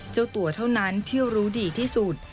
เจ้าตัวเท่านั้นที่รู้ดีที่สุด